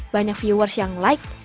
banyak viewers yang like